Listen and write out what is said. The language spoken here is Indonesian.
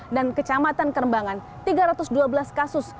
dan kecamatan kerembangan tiga ratus dua belas kasus